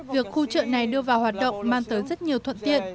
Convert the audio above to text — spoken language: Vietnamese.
việc khu chợ này đưa vào hoạt động mang tới rất nhiều thuận tiện